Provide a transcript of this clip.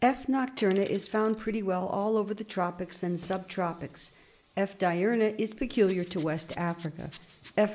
F. nocturna is found pretty well all over the tropics and sub tropics ;. F. diurna is peculiar to West Africa ; F.